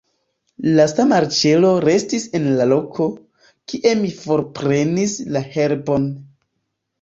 Lasta marĉero restis en la loko, kie mi forprenis la herbon.